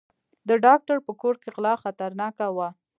د ډاکټر په کور کې غلا خطرناکه وه.